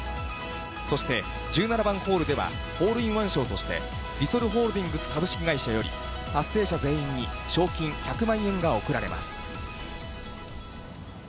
そして、１７番ホールではホールインワン賞として、リソルホールディングス株式会社より、達成者全員に賞金１００万円が贈られます。